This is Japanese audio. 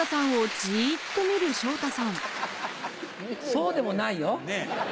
そうでもないよ。